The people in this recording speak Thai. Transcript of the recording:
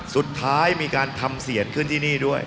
สุดท้ายมีการทำเสียรขึ้นที่นี่ด้วย